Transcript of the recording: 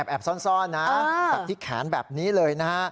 แอบซ่อนนะจับที่แขนแบบนี้เลยนะฮะ